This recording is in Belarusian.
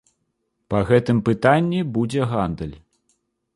Па гэтым пытанні будзе гандаль.